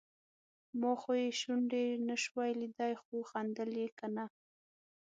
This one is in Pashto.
ما خو یې شونډې نشوای لیدای چې خندل یې که نه.